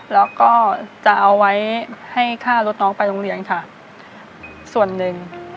แล้วก็จะเอาไว้ให้ค่ารถน้องไปโรงเรียนค่ะส่วนหนึ่ง